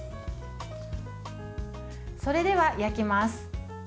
それでは焼きます。